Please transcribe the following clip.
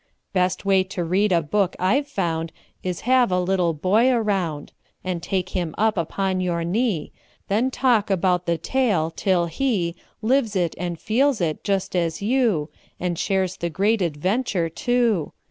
Best way to read a book I've found Is have a little boy around And take him up upon your knee; Then talk about the tale, till he Lives it and feels it, just as you, And shares the great adventure, too.